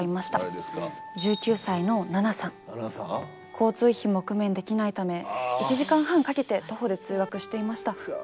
交通費も工面できないため１時間半かけて徒歩で通学していました。